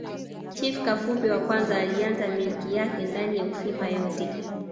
Chifu Kapufi wa Kwanza alianza milki yake ndani ya Ufipa yote